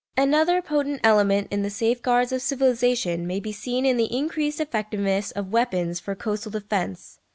Another potent element in the safeguards of civilisation may be seen in the increased effectiveness of weapons for coastal defence.